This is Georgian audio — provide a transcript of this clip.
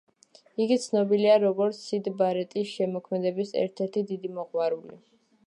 იგი ცნობილია, როგორც სიდ ბარეტის შემოქმედების ერთ-ერთი დიდი მოყვარული.